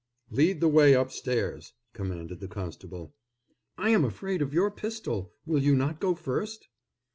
"Lead the way upstairs!" commanded the constable. "I am afraid of your pistol, will you not go first?"